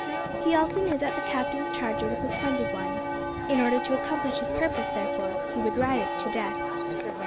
He also knew that the captain's charger was a splendid one. In order to accomplish his purpose, therefore, he would ride it to death.